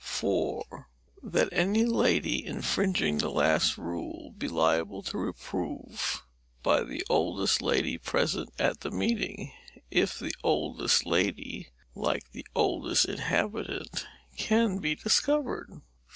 RULE IV. That any lady infringing the last rule be liable to reproof by the oldest lady present at the meeting, if the oldest lady, like the oldest inhabitant, can be discovered.